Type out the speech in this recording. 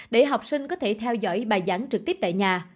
để học sinh có thể theo dõi bài giảng trực tiếp tại nhà